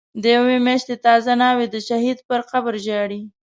د یوی میاشتی تازه ناوی، دشهید پر قبرژاړی